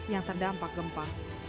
yang terdampak gempa